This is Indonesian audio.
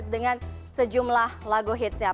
dengan sejumlah lagu hitsnya